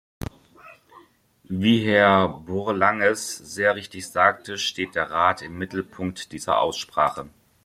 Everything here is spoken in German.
Wie Herr Bourlanges sehr richtig sagte, steht der Rat im Mittelpunkt dieser Aussprache.